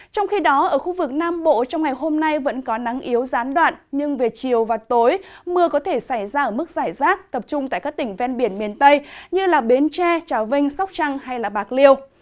trong ngày hôm nay vẫn có nắng yếu gián đoạn nhưng về chiều và tối mưa có thể xảy ra ở mức giải rác tập trung tại các tỉnh ven biển miền tây như bến tre trà vinh sóc trăng hay bạc liêu